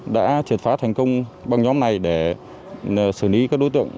đã triệt phá thành công bằng nhóm này để xử lý các đối tượng